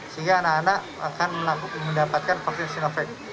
sehingga anak anak akan mendapatkan vaksin sinovac